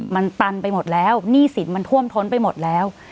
มันตันไปหมดแล้วหนี้สินมันท่วมท้นไปหมดแล้ว